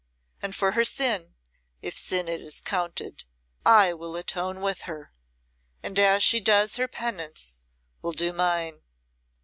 And for her sin, if sin it is counted, I will atone with her; and as she does her penance, will do mine.